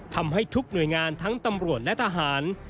ทำให้ทุกหน่วยงานทั้งตำรวจและทหาร